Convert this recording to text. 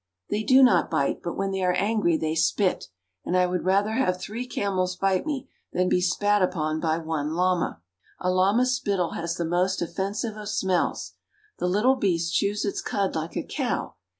They do not bite, but when they are angry they spit, and I would rather have three camels bite me than be spat upon by one llama. A llama's spittle has the most offen sive of smells. The little beast chews its cud like a cow.